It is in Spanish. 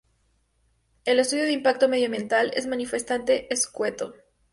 el estudio de impacto medioambiental es manifiestamente escueto